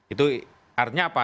itu artinya apa